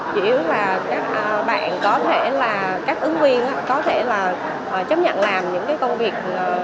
chỉ là các bạn có thể là các ứng viên có thể là chấp nhận làm những cái công việc